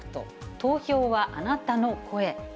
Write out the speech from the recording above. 投票はあなたの声＃